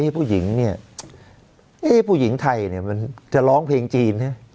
ผู้หญิงเนี่ยผู้หญิงไทยมันจะร้องเพลงจีน